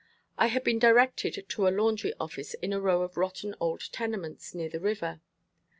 I had been directed to a laundry office in a row of rotten old tenements near the river.